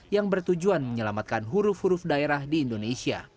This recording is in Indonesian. yang bertujuan menyelamatkan huruf huruf daerah di indonesia